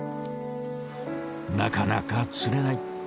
なかなか釣れない。